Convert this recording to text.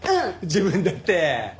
自分だって！